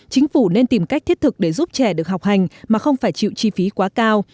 chính phủ nên tìm cách thiết thực để giúp trẻ được học hành mà không phải chịu chi phí quá cao